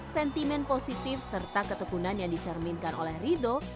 sentimen positif serta ketekunan yang dicerminkan oleh ridho